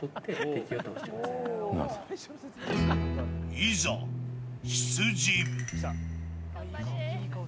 いざ、出陣。